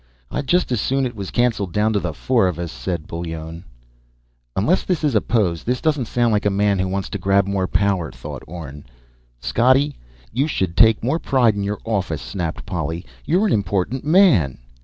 "I'd just as soon it was cancelled down to the four of us," said Bullone. Unless this is a pose, this doesn't sound like a man who wants to grab more power, thought Orne. "Scottie, you should take more pride in your office!" snapped Polly. "You're an important man."